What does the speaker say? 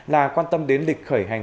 là quan tâm đến lịch khởi hành